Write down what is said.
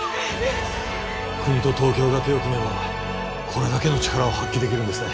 国と東京が手を組めばこれだけの力を発揮できるんですね